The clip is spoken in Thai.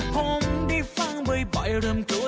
ผมได้ฟังบ่อยเริ่มกลัว